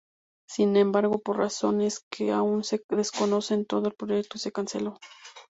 Sin embargo, por razones que aún se desconocen, todo el proyecto se canceló.